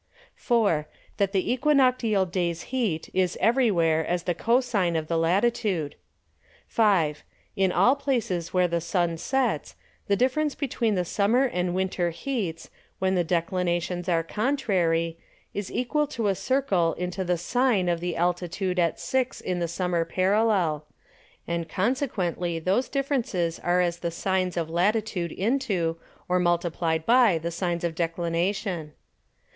IV. That the Æquinoctial Days Heat is every where as the Co sine of the Latitude. V. In all places where the Sun sets, the difference between the Summer and Winter Heats, when the Declinations are contrary, is equal to a Circle into the Sine of the Altitude at six in the Summer Parallel, and consequently those differences are as the Sines of Latitude into, or multiplied by the Sines of Declination.